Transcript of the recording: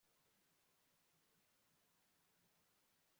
ntuzambona!' ingurube yararize